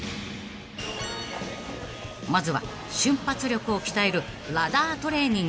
［まずは瞬発力を鍛える］